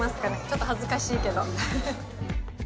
ちょっと恥ずかしいけど。